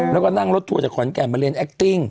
แล้วก็นั่งรถทัวร์จากขอนแก่นมาเรียนแอคติ้ง